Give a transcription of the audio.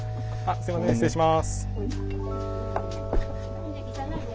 すいません失礼します。